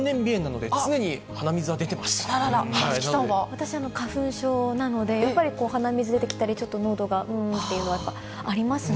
私、花粉症なので、やっぱり鼻水出てきたり、ちょっとのどがっていうのは、ありますね。